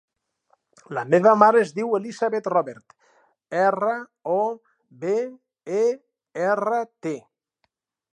La meva mare es diu Elisabeth Robert: erra, o, be, e, erra, te.